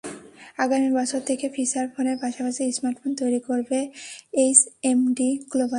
আগামী বছর থেকে ফিচার ফোনের পাশাপাশি স্মার্টফোন তৈরি করবে এইচএমডি গ্লোবাল।